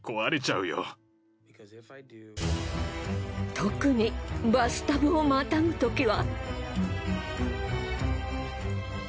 特にバスタブをまたぐときは。